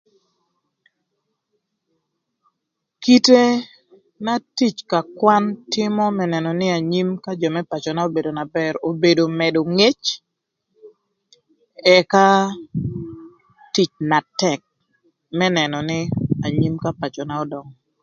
Kite na tic ka kwan tïmö më nënö nï anyim ka jö më pacöna obedo na bër, obedo mëdö ngec, ëka tic na tëk më nënö nï anyim ka pacöna ödöngö.